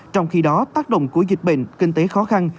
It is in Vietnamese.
trong khi đó tác động của dịch bệnh kinh tế khó khăn